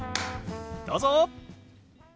どうぞ！